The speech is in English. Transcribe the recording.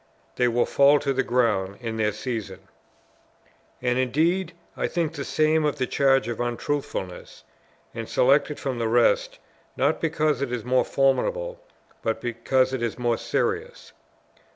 They will fall to the ground in their season. And indeed I think the same of the charge of Untruthfulness, and select it from the rest, not because it is more formidable but because it is more serious.